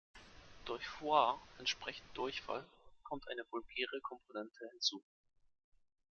Durch "foire" entsprechend "Durchfall" kommt eine vulgäre Komponente hinzu.